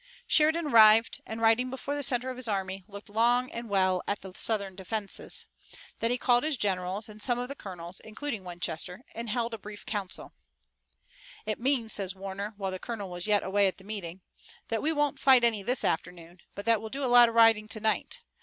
Sheridan arrived and, riding before the center of his army, looked long and well at the Southern defenses. Then he called his generals, and some of the colonels, including Winchester, and held a brief council. "It means," said Warner, while the colonel was yet away at the meeting, "that we won't fight any this afternoon, but that we'll do a lot of riding tonight.